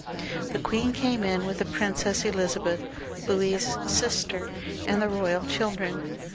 The queen came in with the Princess Elizabeth, Louis's sister, and the royal children.